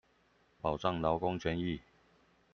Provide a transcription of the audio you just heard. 保障勞工權益